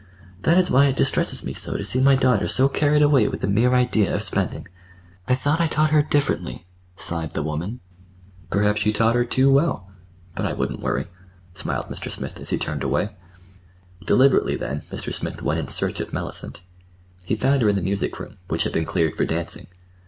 "That is why it distresses me so to see my daughter so carried away with the mere idea of spending. I thought I'd taught her differently," sighed the woman. "Perhaps you taught her—too well. But I wouldn't worry," smiled Mr. Smith, as he turned away. Deliberately then Mr. Smith went in search of Mellicent. He found her in the music room, which had been cleared for dancing.